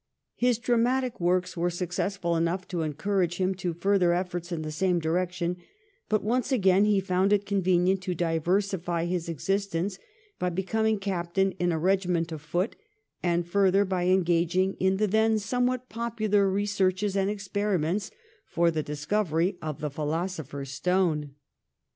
His dramatic works were successful enough to encourage him to further efforts in the same direction, but once again he found it convenient to diversify his existence by becoming captain in a regiment of foot, and further by engaging in the then somewhat popular re searches and experiments for the discovery of the philosopher's stone.